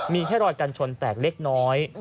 มีแค่รอยกันชนแตกเล็กน้อย